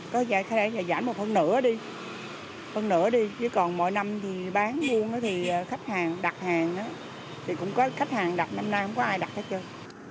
có thể giảm một phần nữa đi chứ còn mỗi năm thì bán buôn thì khách hàng đặt hàng thì cũng có khách hàng đặt năm nay không có ai đặt hết trơn